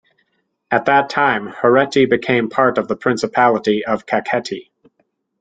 At that time, Hereti became part of the principality of Kakheti.